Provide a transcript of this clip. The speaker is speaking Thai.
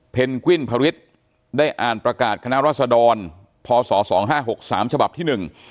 เพนกวิ่นพระวิทย์ได้อ่านประกาศคณะรัศดรพศ๒๕๖๓ฉที่๑